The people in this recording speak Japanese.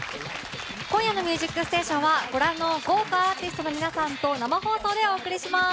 今夜の「ミュージックステーション」はご覧の豪華アーティストの皆さんと生放送でお送りします。